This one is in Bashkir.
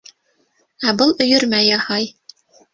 Ә был өйөрмә яһай.